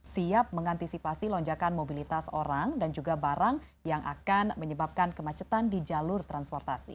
siap mengantisipasi lonjakan mobilitas orang dan juga barang yang akan menyebabkan kemacetan di jalur transportasi